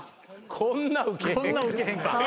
こんなウケへんか。